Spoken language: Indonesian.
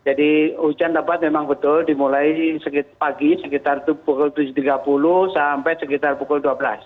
hujan lebat memang betul dimulai pagi sekitar pukul tujuh tiga puluh sampai sekitar pukul dua belas